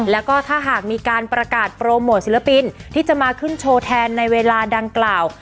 แล้วก็ถ้าหากมีการประกาศโปรโมทศิลปินที่จะมาขึ้นโชว์แทนในเวลาดังกล่าว